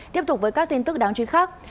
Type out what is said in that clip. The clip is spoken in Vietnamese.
tiếp tục với các tin tức đáng chú ý khác